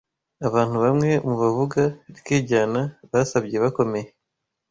abantu bamwe mu bavuga rikijyana basabye bakomeye